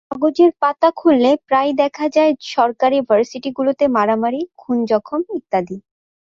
কাগজের পাতা খুললে প্রায়ই দেখা যায় সরকারি ভার্সিটিগুলোতে মারামারি, খুন জখম ইত্যাদি।